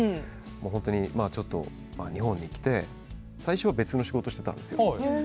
本当にちょっと、日本に来て最初は別の仕事をしていたんですよ。